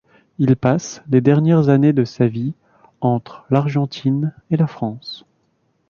Il passe les dernières années de sa vie, entre l’Argentine et la France.